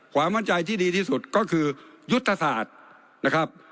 ความมั่นใจที่ดีที่สุดก็คือยุทธศาสตร์นะครับ